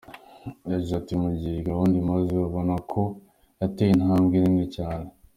Yagize ati “Mu gihe iyi gahunda imaze, ubona ko yateye intambwe nini cyane.